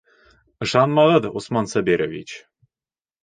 Ышанмағыҙ, Усман Сабирович!